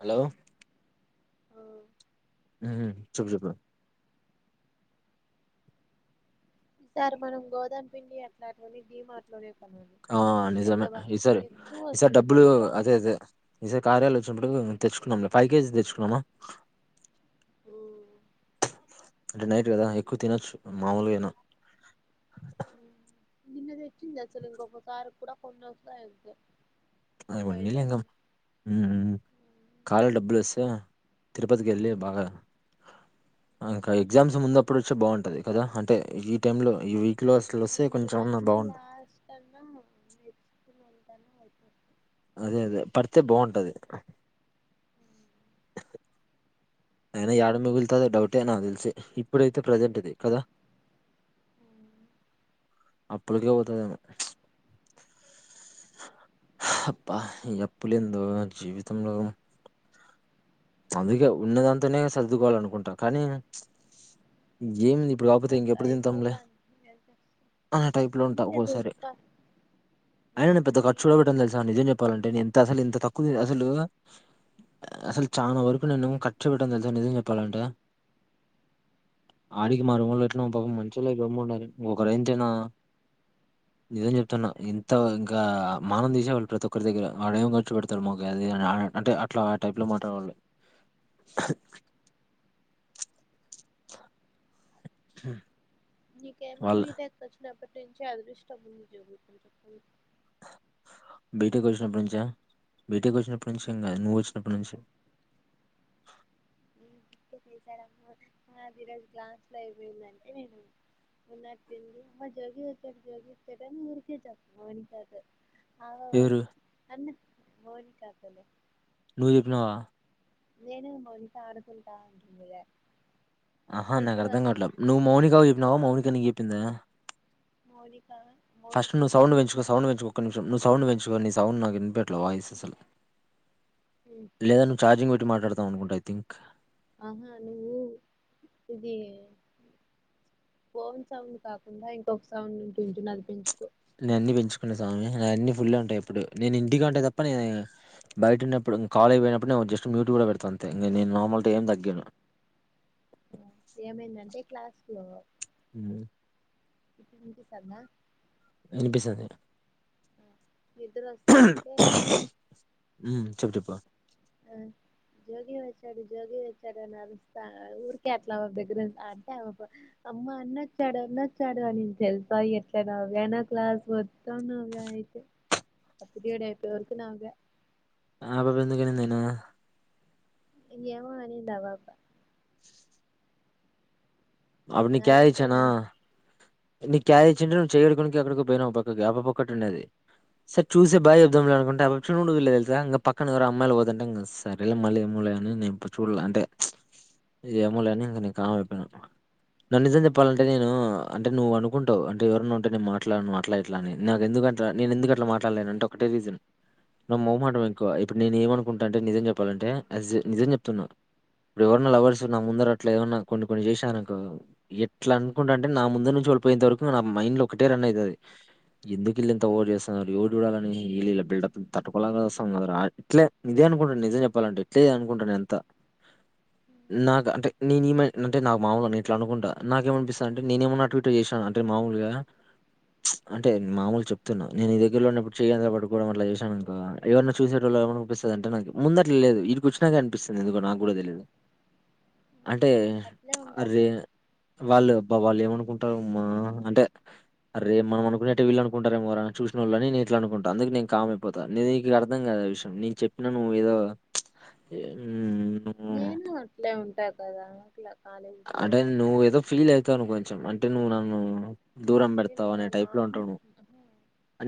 Hello. ఆహ్. ఉమ్ చెప్పు చెప్పుండి. సార్ మనం గోదామ్పిండి అట్లా అట్లనే డీమాట్లోనే తే. ఆహ్ నిజమే ఈ సార్ ఎక్కువ ఈసారి వస్తుంది డబ్బులు తెలుసా అదే ఉమ్. అదే ఈసారి కార్యాలో వచ్చినప్పుడు. తెచ్చుకుందాంలే ఫైవ్ కేజీస్ తెచ్చుకుందామా. అంటే నైట్ కదా ఎక్కువ తినొచ్చు మామూలుగైనా. నిన్నదెచ్చిందసలు ఇంకొకసారికి కూడ కొన్ని [unintelligible] అదే ఒక ఐదారు [unintelligible] ఉమ్ ఉమ్ ఉమ్. కార్య లో డబ్బులు వస్తాయా. తిరుపతికెళ్లి బాగా. ఆహ్ ఇంకా ఎగ్జామ్స్ ముందుప్పుడు వచ్చే బాగుంటది కదా అంటే ఈ టైమ్ లో ఈ వీక్. లో అసలు వస్తే ఉమ్ ఈ కొంచెం అన్నా మంతు బాగుంటది లాస్ట్ అన్నా నెక్స్ట్ మంతన్న అయిపొతది. అదే అదే పడితే బాగుంటది. బ్లాంక్ అయినా ఏడ మిగులుతదో డౌటే నాకు తెలిసి ఇప్పుడైతే ప్రజెంటిది కదా. ఉమ్. అప్పుడుకే పోతాదెమొ ప్చ్. అబ్బా ఈ అప్పులేందో జీవితంలో. అందుకే ఉన్నదాంతోనే సర్దుకోవాలనుకుంటాం కానీ ఏంది. ఇప్పుడు కాకపోతే అట్లా ఇంకెప్పుడు తింటాంలె అయిపోతాంది ఏం చేస్తాం అనే టైప్లో ఉంటా ఉన్నిలే ఒక్కోక్కసారి చూస్తా అయినా నేన్ పెద్ద మనకి ఖర్చు గుడ పెట్టన్ తెల్సా నిజం చెప్పాలం టే ఎంత అసల్ ఎంత తక్కు తి అసలు అసల్ చానా వరకు నేను ఖర్చు పెట్టన్ తెల్సా నిజం చెప్పాలంటే ఆడికి ఉమ్. మా రూమోల్ ఎట్లనో పాపం మంచిళ్లే గమ్మునున్నారు ఇంకొకర్ అయ్యి ఉంటేనా [inaudible] నిజం చెప్తున ఇంత ఇంకా మనంతిసే వాళ్ళు ప్రతి ఒక్కరి దగ్గర వాడేం ఖర్చు పెడతాడు అది ఇది అని అడ్. అంటే అట్లా ఆ టైప్ లో మాట్లాడేవాళ్లు. [inaudible] ఉమ్. నీకేమో బీటెక్ వచ్చినప్పట్ నుంచి అదృష్టం ఉంది [inaudible] బీటెక్ వచ్చినప్పటినుంచా బీటేక్ వచ్చినప్పట్నుంచేం కాదు నువ్ వచ్చినప్పట్ నుంచి [inaudible] చెక్ చేసాడమ్మా ఆ ఈరోజు గ్లాస్ లో అయిపోయిందంటే ఉన్నటినుండి అమ్మ జోగి వచ్చాడు జోగివచ్చాడు అని ఊరికే చెప్పమంటారు. ఆ ఎవరు ఒద్దు అన్న మోని ఖాతాలో నువ్ చెప్పినవా నేనేం అంట ఆడుకుంటా అంటుండేలె ఆహా నాక్ అర్థం కావట్ల నువ్వు మౌనికకి చెప్పినవా, మౌనికా నీకు చెప్పిందా? మౌని ఫస్ట్ నువ్ సౌండ్ పెంచుకో సౌండ్ పెంచుకో ఒక నిమిషం నువ్ సౌండ్ పెంచుకో నీ సౌండ్ నాకు ఇన్పి వాయిస్ అసల్ లేదా నువ్ చార్జింగ్ పెట్టి మాట్లాడుతున్నావ్ అనుకుంటా ఐ థింక్ ఆహా నువ్వు ఇది ఫోన్ సౌండ్ కాకుండా ఇంకొక్ సౌండ్ ఉంటుంది చూడు అది పెంచుకో నేన్ అన్ని పెంచుకున్న స్వామి నాయ్ అన్ని ఫుల్లే ఉంటాయి ఎప్పుడు నేన్ ఇంటికి ఉంటే తప్ప నేన్ బైటున్నప్పు ఇప్పుడు కాలేజ్ పోయినపుడ్ నేన్ జస్ట్ మ్యూటులో పెడ్తా అంతే ఇంగ నేను నార్మల్ టైం ఏం తగ్గియను. ఏమైందంటే క్లాస్లో హ్మ్ ఇప్పుడ్ ఇన్పిస్తాందా ఇన్పిస్తంది నిద్ర వస్తా అంటే మ్ చెప్ చెప్ప ఆ జోగి వచ్చాడు జోగి వచ్చాడు అని అరుస్తా ఊరికే అట్లా బెడ్ మీద అంటే అమ్మా అన్నచ్చాడు అన్నచ్చాడు అనింది తెల్సా ఎట్ల నవ్వానో క్లాస్ మొ మొత్తం నవ్వా అయితే ఆ పీరియడ్ అయిపోయే వరకు నవ్వా. ఆ పాపా ఎందుకు అనింది నినా ఏమో అనిందా పాపా అప్పుడ్ నీక్ క్యాష్ నాలేకే ఇచ్చానా మేడం నీక్ క్యాష్ ను చెయి కడుక్కొని ఎక్కడ్కో పోయినవ్ పక్కకి ఆ పాపా ఒకటి ఉన్నది సరే చూసి బాయ్ చెపుదాంలె అనుకుం ఆమెన్ చూడన్ గుడా చూడ్లే తెల్సా ఇంగ పక్కన ఎవరో అమ్మాయిల్ పోతంటే ఇగ సరేలే మళ్ళీ ఏమోలే అని నేన్ చూడ్లె అంటే ఏమోలే అని నేన్ ఇంక నీక్ కామ్ అయిపోయిన నన్ నిజం చెప్పాలంటే నేనూ అంటే నువ్వు అనుకుంటవ్ అంటే ఎవరైనా ఉంటే నేన్ మాట్లాడను అట్ల ఇట్ల నాకెందుక్ అంత నేన్ ఎందుకట్ల మాట్లాడ్లేనంటే ఒకటే రీసన్ నాక్ మొహమాటం ఎక్కువ ఇప్పుడ్ నేన్ ఏమనుకుంటా అంటే నిజం చెప్పాలంటే అజ్ నిజం చెప్తున్నా. ఇప్పుడ్ ఎవరన్నా లవర్స్ నా ముందర అట్లా ఎవైన్నా కొన్ని కొన్ని చేశార్ అ ఎట్లనుకుంట అంటే నా ముందర్ నుంచి వాళ్ళు పోయేంతవరకు నా మైండ్లో ఒకటే రన్ అయితది. ఎందుకు ఇళ్ళంతా ఓవర్ చేస్తున్నరు ఎవడు చూడాలని ఈల్ల బిల్డుప్ తట్టుకోలేక సస్తాం కదారా ఇట్లే ఇదే అనుకుంట నిజం చెప్పాలంటే ఎట్లే అనుకుంటా నే అంత నాక్ అంటే నీ నీ మైండ్ అంటే నాక్ మామూల్గ నేన్ ఇట్ల అనుకుంటా నాకేమనిపిస్తదంటే నేనే ఏమన్న అటుఇటు చేశాన అంటే మాముూల్గా అంటే మామూల్ చెప్తున్నా నేను నీ దగ్గర్లో ఉన్నప్పుడు చేయి అట్ల పట్టుకోవడం అట్లా చేసాననుకో ఎవరన్న చూసేటోల్ పిస్తదంటే నాక్ ముందట్లా లేదు ఈడిక్ వచ్చినాకే అనిపిస్తది ఎందుకో నాక్ గుడా తెలీదు. అంటే అట్లే అరే ఉండాలిలే వాళ్లు అబ్బా వాళ్ళు ఏమనుకుంటారు అంటే అర్ మనం అనుకునేటివి వీల్లు అనుకుంటారేమో రా అ చూష్నోలు అని ఇట్లా అనుకుంట. అందుకె నేను కామైపోతా నీకు అర్ధం కాదు. అ విషయం నేను చెప్పినా నువ్ ఏదో చ్ హ్మ్ నువ్వు నేను అట్లే ఉంటా కదా అట్ల అంటే నువ్ ఏదో ఫీల్ అయితాను కొంచం అంటే నువ్ నన్ను దూరం నేను పెడతావ్ మా అనే టైప్ లో నార్ ఉంటావు నువ్వు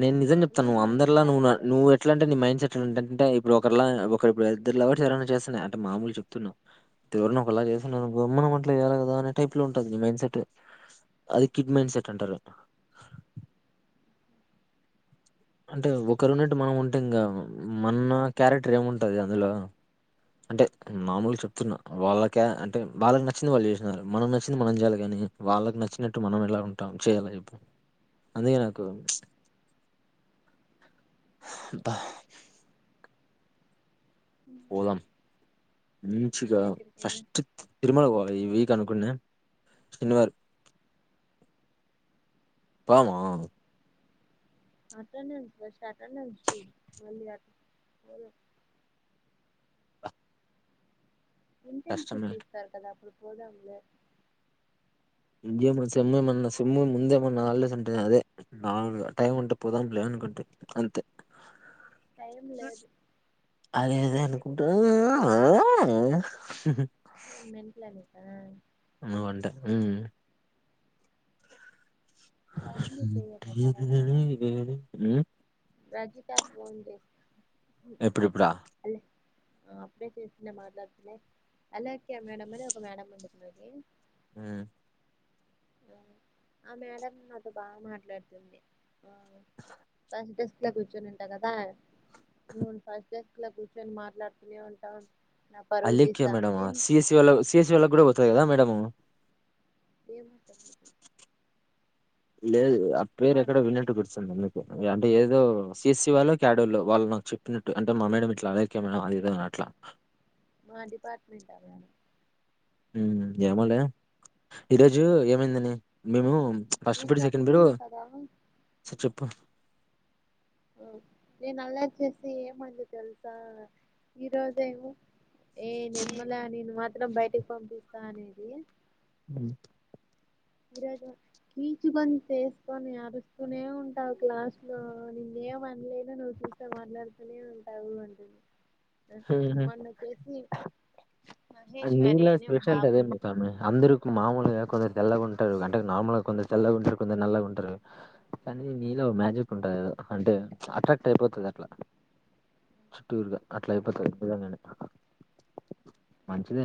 నేను నిజం చెప్తానువ్ నార్మల్గా అందరిలా ఉంటా నువ్వు అంతే నువ్వుట్లా అంటే మైండ్ సెట్ అంటే ఇప్పుడు ఒకరిలా ఒకరి ఇప్పుడు ఇద్దరులవర్స్ ఎవరనా చేస్తున్నా అంట మామూలు చెప్తున్నా. ఎవరిని ఒకలా చేమ్. నువ్ ఎవ్వర్ర కదా అనే టైప్ లో ఉంటది నీ మైండ్ సెట్ అది కిడ్మైన్ సెట్ అంటారు. అంటే ఒక రున్నట్ మనం ఉంటే ఇంగా మన్న క్యారెటర్ ఏముంటది అందులో అంటే మామూలుగా చెప్తున్నా. వాళ్ళకే అంటే వాళ్ళకి నచ్చింది వాళ్ళు చేసిన్నారు. మనం నచ్చింది మనం చేయాలి కాని వాళ్ళకి నచ్చినట్టు మనం ఎలా ఉంటాం చేయాలా చెప్పు అందుకే నాకు అబ్బ పోదం మంచిగా ఎక్కడికైనా ఫస్ట్ తిరుమల పొద్ ఈ వీక్ అనుకున్నా శనివార్ పదామా అట్టనే ఉంచోచ్ అట్టనే ఉంచు చూడు మళ్ళీ అ కష్టమే. ఇంటెర్న్షిప్ ఇస్తారు కదా అప్పుడు పోదాములె ఇదేంద్ర సెమ్ము మన్న సెమ్ము ముందే మొన్నహాలిడేస్ ఉంటే అదే బాగుండు టైమ్ ఉంటే పోదాంలే. అనుక్ అంతే అంతే టైం లేదు అదే అదే అనుకుంటా ఆ ఆ ఆ నేను మెంటలా నీకా నువ్ అంటే కామెడీ ఏ నీ చేయకు తెలీదు గాని రజితా ఫోన్ చేసిం ఎప్పుడు ఇప్పుడా ఆ అప్పుడే చేసింది మాట్లాడుతున్నా. అలేక్య మేడం అని ఒక మేడం ఉండేది మాక్ ఉ ఆ మేడం నాతో బాగా మాట్లాడుతుంది. ఫస్ట్ డెస్క్ లో కూర్చోనింటా కదా ఫస్ట్ ఇట్ల కూర్చొని మాట్లాడుతూనే ఉంటాం అలేక్య మేడమ్ ఆ సిఎస్ వాల్ల సిఎస్ వాల్లకు కూడా పోతది కదా మేడమూ ఏమో లేదు ఆ పేరు మా ఎక్కడో విన్నట్టు గుర్త్ అందుకు అంటే ఏదో సిఎసి వాళు క్యాడల్లో వాళ్ళు నాకు చెప్పినట్టు అంటే మా మేడం ఇట్లా అలేక్య మా ఇద అట్లా మా డిపార్ట్మెంట్ ఆమె ఏమోలే ఈరోజు ఏమైందని మేము ఫస్ట్ నేను అపడు సెకండ్ పడు చెప్తున్నా కదా సర్ చెప్పు ఆ నేను అల్లాచ్చేసి ఏమైందో తెలుసా ఈరోజేమో ఏ నిర్మలా నిన్ను మాత్రం బయటికి పంపిస్తా అనేది. ఉ ఈరోజు కీచుగొంతు ఏసుకొని అరుస్తూనే ఉంటావు క్లాస్ లో నిన్నే ఏం అనలేదు నువ్వు చూస్తే మాట్లాడుతూనే ఉంటావు అంటది. హుహు అది మహేశ్వరి నీల అని ఒక స్పెషల్ పాప కదా ఉంటుంది మాత్రమ అందరుకు మాముూలుగా కుదరి తెల్లగా ఉంటరు. అంటే నార్మల్ గా కొందరు తెల్లగా ఉంటరు. కొందరు నల్లగా ఉంటరు. కానీ నీలో మ్యాజిక్ ఉంటది. అంటే అట్రాక్ట్ అయిపోతది అట్లా చుట్టూరుగా అట్లా అయిపోతది నిజంగనే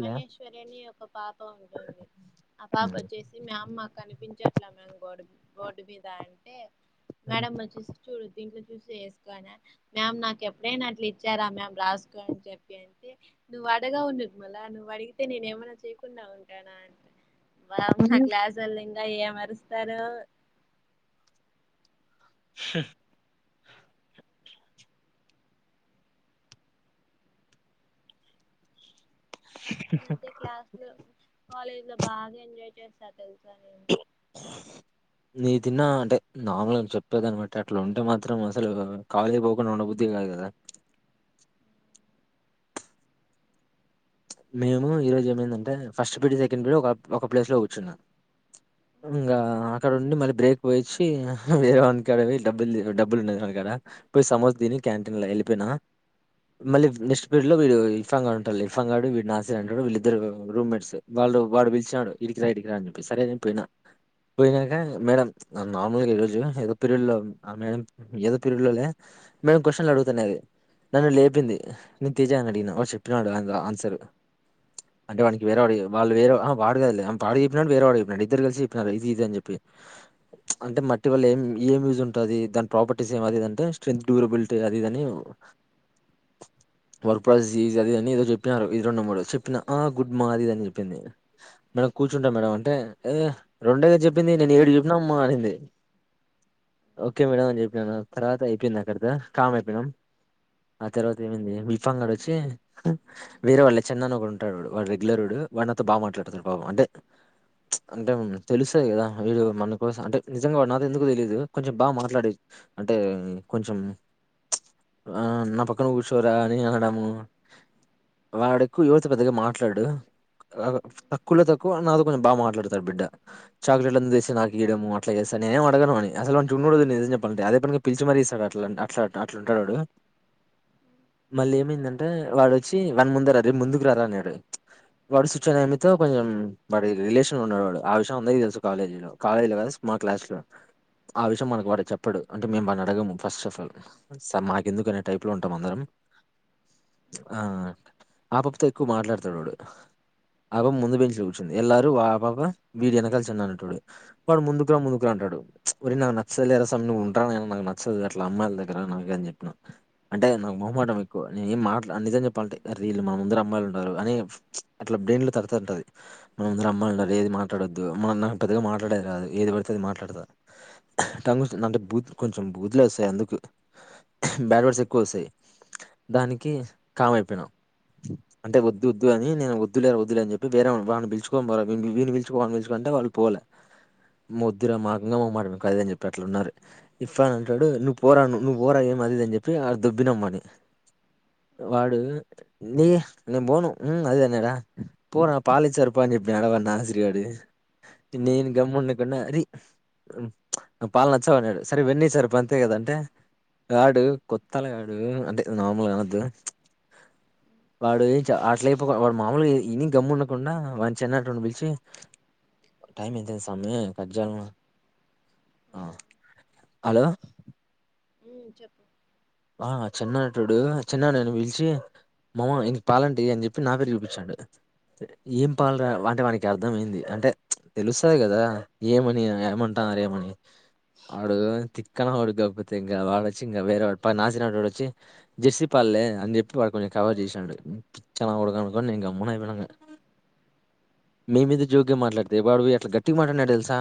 మహేశ్వరి అని ఒక పాప ఉంటున్ ఆ పాప ఉమ్. వచ్చేసి మ్యామ్ మాక్ కనిపించట్ల మేమ్ గోడ బోర్డు మీద అంటే ఉమ్. మేడం వచ్చేసి చూడు దీంట్లో చూసి ఏస్కో అనా మ్యామ్ నాకు ఎప్పుడైనా అట్లా ఇచ్చారా మ్యామ్ రాసుకోఅని చెప్పి అంటే నువ్ పడగా ఉన్ మలా నువ్వు అడిగితే నేను ఏమనా చేయకుండా ఉంటానా అంటే వా మా క్లాస్ ల్ తయ ఎమరుస్తారో ష్ అంతే క్లాస్లొ కాలేజ్ లో బాగా ఎంజాయ్ చేస్తారు తెలుసా. నేను నీ తిన్నా అంటే నార్మల్ గా చెప్పేదనమట్టి అట్లా ఉంటే మాత్రం అసలు కాలేజీ పోకుండా ఉండబుదద్ధి కాదు కదా. మేము ఈరోజు ఏమైందంటే ఫస్ట్ పీరిడి సెకండ్ పీరిడి ఒక్ ఒక ప్లేస్ లో కూర్చున్నా. ఇంగా అక్కడ ఉండి మళ్ళీ బ్రేక్ పోయిచ్చి వేరే వానీకాడ పోయి డబ్బులు డబ్బులు ఉండె కాన కద పోయి సమోస్ దిని క్యాంటీన్ ల వెళ్ళిపోయినా. మళ్ళీ నెక్స్ట్ పేరెడ్ లో వీడు ఇర్ఫాంగడ్ ఉంటాడ్ లె ఇర్ఫన్ వీడ్ నా సైడ్ ఉంటడు. వీళ్ళిద్దరు రూమ్మేట్స్ వాళ్ళు వాడు పిలిచినాడు. ఇడికిరా ఇడికిరా అని చెప్పి సరే అని చెప్పి పోయినా. పోయినాక మేడం నార్మల్గా ఈ రోజు ఏదో పీరియడ్ లో అ మేడం ఏదో పీరియడ్లొ లె మేడం క్వశ్చన్లు అడుగుతనేది. నన్ను లేపింది. నేను తెజని అడిగిన. ఆడు చెప్పినాడు ఆన్ ఆన్సర్ అంటే వానికి వేరే వాడు వాళ్లు వేరె ఆ వాడుద వాడు చెప్పినడు. వేరే వాడు చెప్పినడు. ఇద్దరు కలిసి చెప్పినారు. ఇది ఇది అని జెప్పి అంటే మట్టి వల్ల ఏం ఏం యూజ్ ఉంటది. దాని ప్రాపర్టీస్ ఏం అదిది అంటే స్ట్రెంత్ డ్యూరబిలిటీ అది ఇది అని వర్పుది జి అది అని ఏదో చెప్పినారు ఇది రెండు మూడు చెప్పిన ఆ గుడ్ మా అది ఇది అని చెప్పింది. మేడం ఉమ్, కూర్చుంటా మేడం అంటే ఏ రెండేగ చె చెప్పింది నేను ఏడు చెప్పినమ్మ అనింది. ఓకే మేడం అని చెప్పినాను. తర్వాత అయిపోయింది అక్కడితొ. కామ్ అయిపోయినాం. ఆ తర్వాత ఏమైంది ఉల్ఫామ్ గడొచ్చి వేరే వాళ్ళ చెన్నన్ అని ఒకడుంటాడు. వాడు రెగ్యులర్ వాడు నాతో బా మాట్లాడతారు. పాపం అంటే అంటే తెలుస్తది కదా. వీడు మన కోసం అంటే నిజంగా నాతో ఎందుకు తెలిదు. కొంచెం బాగా మాట్లాడే అంటే కొంచెం ఆ నా పక్కన కూర్చోరా అని అనడము వాడెక్కువ ఎవర్తో పెద్దగా మాట్లాడు తక్కువలో తక్కువ నాతో కొంచెం బాగా మాట్లాడతడు బిడ్డ చాక్లెట్ అని తెచ్చి నాకియడము అట్లా స నేనేం అడగను అని అసలు అటు చూడ్ చుడను. నిజం చెప్పాలంటే అదే పనిగ పిలిచి మరి ఇస్తాడ్. అట్లాంటా అట్లా అట్లా అట్లుంటాడు వాడు మళ్ళీ ఏమైందంటే వాడొచ్చి వాన్ ముందేర రే ముందుకు రారా అన్నాడు. వాడు సూచన నమ్మితో కొంచెం వాడి రిలేషన్ లో ఉన్నాడు. వాడు ఆ విషయం అందరికి తెలుసు. కాలేజీ లో కాలేజీ లో కాదు. మా క్లాస్ లో ఆ విషయం మనకు వాడు చెప్పడు. అంటే మేము వాని అడగము. ఫస్ట్ ఆఫ్ ఆల్ సార్ మాకు ఎందుకు అనే టైప్లో ఉంటాం అందరం. ఆపాపతో ఎక్కువ మాట్లాడుతాడు వాడు ఆపాప ముందు బెంచిల కూర్చుంది ఎల్లరు ఆ పాప వీడి వెనకాల చిన్న అనటడె వాడు ముందుకురా ముందుకురా అంటుండు. ఒరే నాకు నచ్చదులే. రాసా నువ్వుండ్రా నే నాకు నచ్చదు. అట్ల అమ్మాయిల దగ్గర నాకుఅని చెప్పిన అంటే నాకు మొహమ్మాటం ఎక్కువ. నేను ఏం మాటలా నిజేం చెప్పాలంటే వీళ్ళు మన ముందర అమ్మయిలు ఉన్నారు. అని అట్లా బ్రెయిన్ లో తడతంటది. మనముందర ఆ, అమ్మలున్నారు ఏది మాట్లాడొద్దు. నాకు పెద్దగా మాట్లాడేది రాదు ఏది పడితే అది మాట్లాడతా. టంగ్ బూత్ కొంచెం బూత్ల్ ఏ చయ్ అందుకు బ్యాడ్ వర్డ్సెక్కువొస్తాయ్ దానికి కామైపోయ్నం. అంటె వొద్దొద్దు అని నేను వద్దు లే వద్దు లే అన్ జెప్పి వేరే వాన్ని వాన్ని బిల్చుకోన్ బోర వాన్ని వీన్ని బిల్చుకు [unintelligible] కంటె వాళ్ పోల మొద్దుర మాకింగా మొహ్మాటం ఎక్కువ అదిన్ జెప్పినట్లున్నారు ఇఫ్రానంటాడు నువ్ పోర ను నువు పోరా ఏమ్ అదిది అని చెప్పి ఆ దొబ్బినాం వాన్ని ఉమ్, వాన్ మ్ నేన్ పోను ఉ అది ఇది అన్నాడా పోరా పాలు ఇచారు పో అని చెప్పిన నేను ఉమ్, గమ్ ఉండక్ అరి నా పాల నచ్చవ్ అన్నాడు సరే వెన్న ఇ సర పంతే కదాంటే ఆడు కొత్తల్గాడు అంతె నార్మల్గనొద్దు. వాడుయ్ చ అట్లైపోగ వాడ్ మామూల్గ ఇ ఇని గమ్ముండకుండా వాన్ చెన్నాటోన్ని బిల్చి టైమెంతైంది సామీ కడ్జెయ్ల్న. ఆ ఉమ్, అలొ. ఊమ్ చెప్ వా చిన్నాటుడు చిన్నానని పిలిచి మామ యీన్కి పాలంటెయ్ అన్ జెప్పి నా పేరు చూపిచ్చాండు. ఏం ఉమ్, పాల్రా వంటె వాన్కర్థమైంది అంటె చ్ తెలుస్తాద్ గదా ఏమని యామంట నారేమని ఆడు తిక్కనాకొడుగ్గాకపోతే ఇంగ వాడొచ్చి ఇంగ వేరే వాడ్ ప నాసినాటోడొచ్చి జెస్సీ పాల్లే అన్ జెప్పి వాడ్ కొంచెం కవర్ చేసిండు మ్ పిచ్చ నాకొడుకని నేని గమ్మునైపోయినింగ. మేమేదొ జోక్గ మాట్లాడ్తె వాడు ఎట్ల గట్టిగ్ మాట్లాన్నాడొ దెల్సా.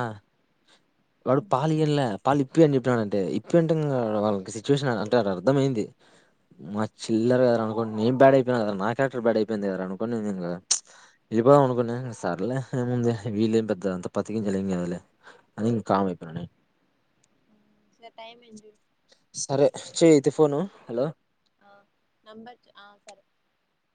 వాడు ఉమ్, పాలీ అన్ల పాలిప్పి అన్ జెప్పినాడంటె ఇప్పి అంటె ఇంగ వాళ్ళకి సిచ్యువేషన్ అ ట్టా అర్థమైంది. మా చిల్లర్ గదరా అన్కోని నేను బ్యాడైపోయినా గదా నా క్యారెక్టర్ బ్యాడైపోయింది గద రా అనుకోని నేనింగ. దిపోదామనుకున్నా ఇంగ సర్లే ఏముందే వీల్లేం పెద్ద అంత పత్తి గింజలేం కాద్లె అని ఇంకామైపోయ్ మ్. సార్ టైమైంది జూడు. చెయ్ ఐతే ఫోను హలో. ఆ నెంబర్ చ్ ఆ సరె.